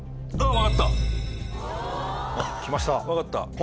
分かった。